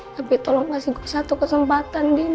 tapi tolong kasih gue satu kesempatan andin